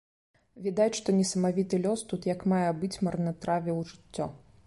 Відаць, што несамавіты лёс тут як мае быць марнатравіў жыццё.